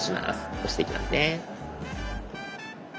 押していきますね。